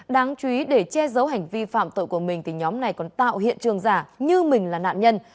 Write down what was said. đáng chú ý để che giấu hành vi phạm tội của mình thì nhóm này còn tạo hiện trường giả như mình là nạn nhân